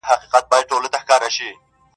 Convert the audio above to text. حقيقت د وخت په تېرېدو کم نه کيږي,